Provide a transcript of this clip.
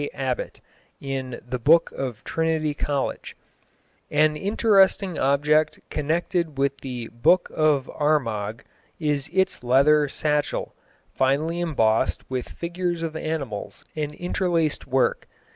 Abbott, in the Book of Trinity College: "An interesting object connected with the Book of Armagh is its leather satchel, finely embossed with figures of animals and interlaced work.